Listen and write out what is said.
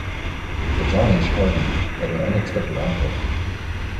The "John J. Harvey" had an unexpected encore.